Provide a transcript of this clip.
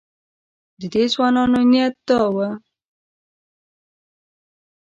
د دې ځوانانو نیت دا و.